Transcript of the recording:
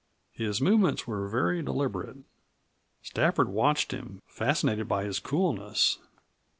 His movements were very deliberate. Stafford watched him, fascinated by his coolness.